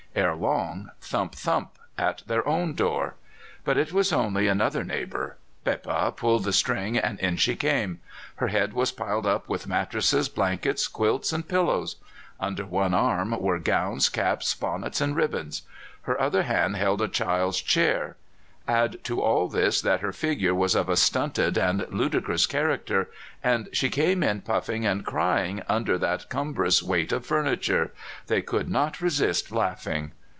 Ere long, thump! thump! at their own door. But it was only another neighbour. Pepa pulled the string, and in she came. Her head was piled up with mattresses, blankets, quilts, and pillows. Under one arm were gowns, caps, bonnets, and ribbons. Her other hand held a child's chair. Add to all this that her figure was of a stunted and ludicrous character, and she came in puffing and crying under that cumbrous weight of furniture. They could not resist laughing.